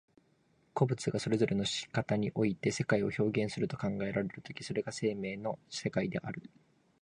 個物がそれぞれの仕方において世界を表現すると考えられる時、それが生命の世界である。